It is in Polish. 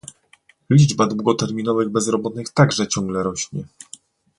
Liczba długoterminowych bezrobotnych także ciągle rośnie